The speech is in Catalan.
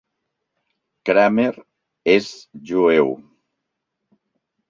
Kramer és jueu.